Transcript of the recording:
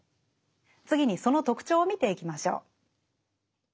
次にその特徴を見ていきましょう。